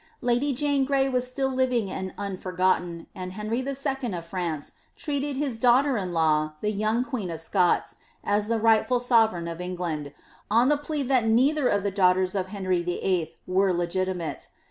Lady Jane Gimy was still living and unforgotten, and Henry II. of France treated bis daughter in law, the young queen of Scots, as the rightful sovereign of Engknd, on the plea thai neither of the daughters of Henry VIII. were legitimate.